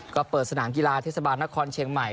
ก็เปิดสนามกีฬาเทศบาลนครเชียงใหม่